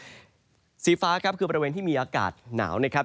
ก็จะมีการแผ่ลงมาแตะบ้างนะครับ